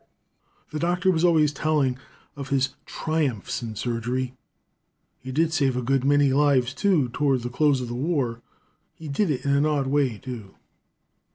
"The doctor was always telling of his triumphs in surgery. He did save a good many lives, too, toward the close of the war. He did it in an odd way, too.